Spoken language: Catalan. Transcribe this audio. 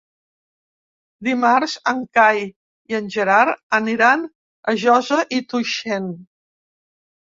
Dimarts en Cai i en Gerard aniran a Josa i Tuixén.